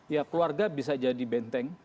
ya keluarga bisa jadi benteng